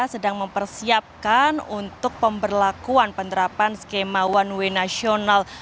sedang mempersiapkan untuk pemberlakuan penerapan skema one way nasional